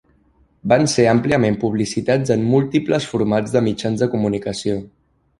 Van ser àmpliament publicitats en múltiples formats de mitjans de comunicació.